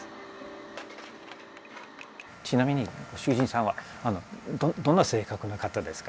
ちなみにご主人さんはどんな性格の方ですか？